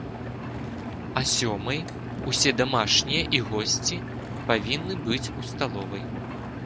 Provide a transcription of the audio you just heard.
А сёмай усе дамашнія і госці павінны быць у сталовай.